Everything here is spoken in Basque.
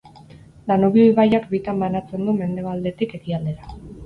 Danubio ibaiak bitan banatzen du mendebaldetik ekialdera.